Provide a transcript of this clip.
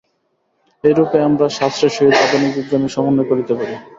এইরূপে আমরা শাস্ত্রের সহিত আধুনিক বিজ্ঞানের সমন্বয় করিতে পারি।